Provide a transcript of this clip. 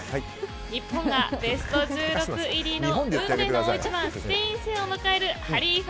日本がベスト１６入りの運命の大一番スペイン戦を迎えるハリファ